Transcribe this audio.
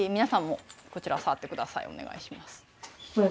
お願いします。